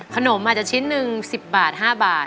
ขนมอาจจะชิ้นหนึ่ง๑๐บาท๕บาท